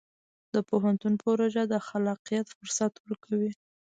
د پوهنتون پروژه د خلاقیت فرصت ورکوي.